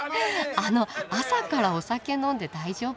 あの朝からお酒飲んで大丈夫？